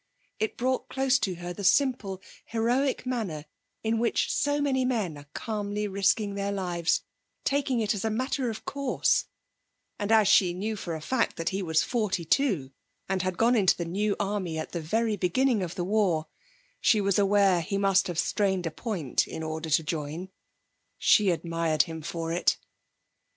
It brought close to her the simple, heroic manner in which so many men are calmly risking their lives, taking it as a matter of course, and as she knew for a fact that he was forty two and had gone into the New Army at the very beginning of the war, she was aware he must have strained a point in order to join. She admired him for it.